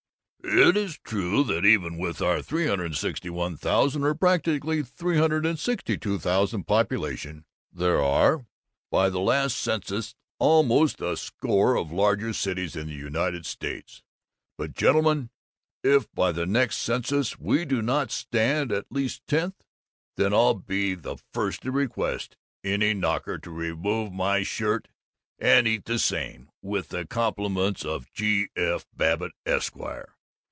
"'It is true that even with our 361,000, or practically 362,000, population, there are, by the last census, almost a score of larger cities in the United States. But, gentlemen, if by the next census we do not stand at least tenth, then I'll be the first to request any knocker to remove my shirt and to eat the same, with the compliments of G. F. Babbitt, Esquire!